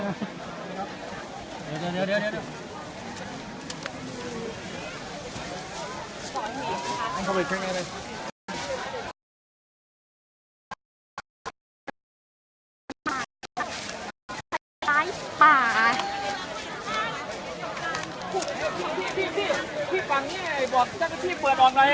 จำเปรียบก็ความอ่ะตอนเนี้ยเปิดให้หน่อยเปิดให้หน่อย